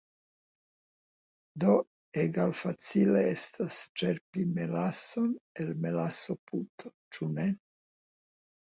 Do egalfacile estas ĉerpi melason el melasoputo, ĉu ne?